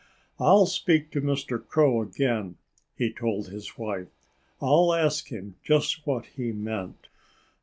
"I'll speak to Mr. Crow again," he told his wife. "I'll ask him just what he meant."